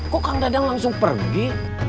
kok kang dadang langsung pergi